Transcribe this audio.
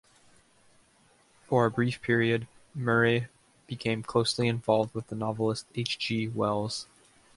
For a brief period Murray became closely involved with the novelist H. G. Wells.